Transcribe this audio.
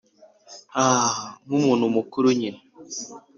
ahhh nkumuntu mukuru nyine"